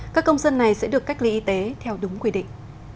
các công dân này sẽ được cách ly y tế theo đúng quy định